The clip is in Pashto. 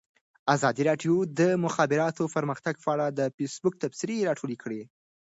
ازادي راډیو د د مخابراتو پرمختګ په اړه د فیسبوک تبصرې راټولې کړي.